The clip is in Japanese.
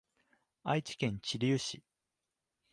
愛知県知立市